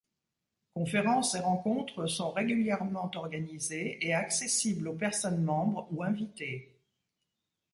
Conférences et rencontres sont régulièrement organisées et accessibles aux personnes membres ou invitées.